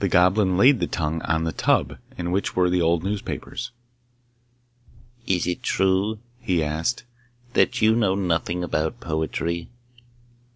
The Goblin laid the tongue on the tub in which were the old newspapers. 'Is it true,' he asked, ' that you know nothing about poetry?